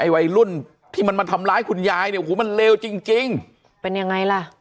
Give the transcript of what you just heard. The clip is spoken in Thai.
วัยรุ่นที่มันมาทำร้ายคุณยายเนี่ยโอ้โหมันเลวจริงจริงเป็นยังไงล่ะ